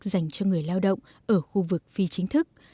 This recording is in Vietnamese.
dành cho người lao động ở khu vực phi chính thức